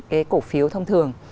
cái cổ phiếu thông thường